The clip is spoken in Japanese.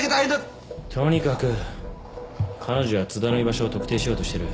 とにかく彼女は津田の居場所を特定しようとしてる。